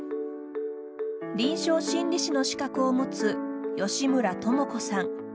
臨床心理士の資格を持つ吉村朋子さん。